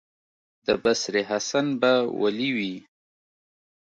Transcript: د بصرې حسن به ولي وي،